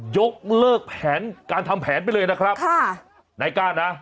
ยกเลิกแผนการทำแผนไปเลยนะครับค่ะนายกล้านะ